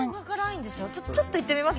ちょっといってみますね黄色。